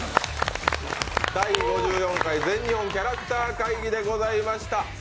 第５４回全日本キャラクター会議でございました。